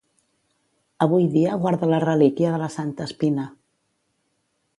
Avui dia guarda la relíquia de la Santa Espina.